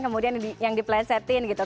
kemudian yang dipelesetin gitu